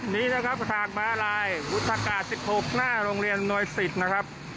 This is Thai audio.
นี้นะครับทางม้าลายวุฒกา๑๖หน้าโรงเรียนหน่วยสิตนะครับ